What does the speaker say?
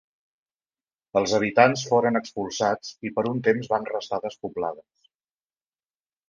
Els habitants foren expulsats i per un temps van restar despoblades.